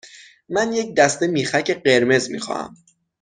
من یک دسته میخک قرمز می خواهم.